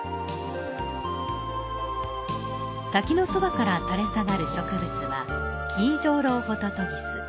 滝のそばから垂れ下がる植物は、キイジョウロウホトトギス。